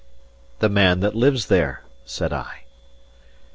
"The man that lives there," said I.